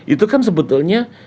itu kan sebetulnya